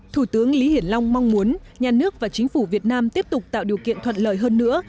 thủ tướng lý hiển long mong muốn nhà nước và chính phủ việt nam tiếp tục tạo điều kiện thuận lợi hơn nữa